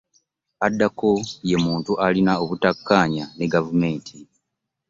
Addako ye muntu alina obutakkaanya ne gavumenti.